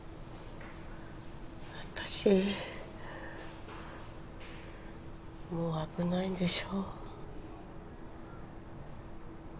私もう危ないんでしょ？